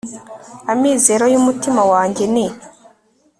amizero y'umutima wanjye ni